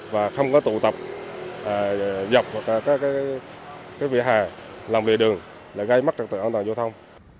và không có tụ tập dọc các vị hà lòng lề đường là gây mắc trật tự an toàn giao thông